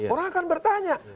orang akan bertanya